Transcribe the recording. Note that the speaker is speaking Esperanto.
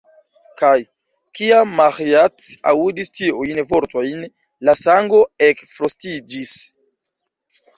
Kaj, kiam Maĥiac aŭdis tiujn vortojn, la sango ekfrostiĝis.